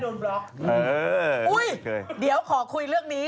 เดี๋ยวขอคุยเรื่องนี้